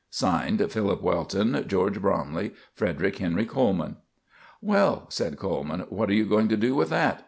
"(Signed) PHILIP WELTON, "GEORGE BROMLEY, "FREDERICK HENRY COLEMAN." "Well," said Coleman, "what are you going to do with that?